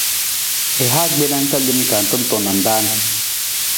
I ha gbena ka lem ka tantong na raan.